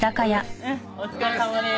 お疲れさまです。